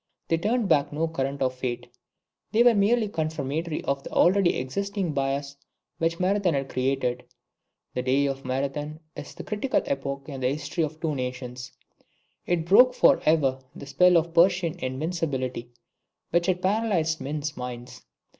They turned back no current of fate. They were merely confirmatory of the already existing bias which Marathon had created. The day of Marathon is the critical epoch in the history of the two nations. It broke for ever the spell of Persian invincibility, which had paralysed men's minds.